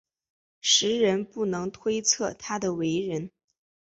时人不能推测他的为人。